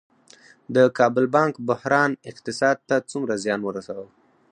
د کابل بانک بحران اقتصاد ته څومره زیان ورساوه؟